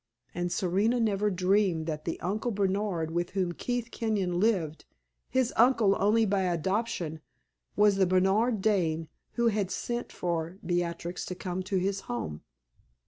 And Serena never dreamed that the "Uncle Bernard" with whom Keith Kenyon lived his uncle only by adoption was the Bernard Dane who had sent for Beatrix to come to his home.